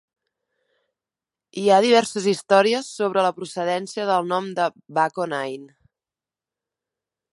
Hi ha diverses històries sobre la procedència del nom de Buck-O-Nine.